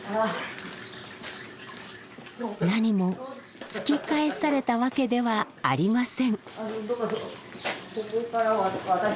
何も突き返されたわけではありません。